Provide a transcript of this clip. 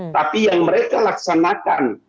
tapi yang mereka laksanakan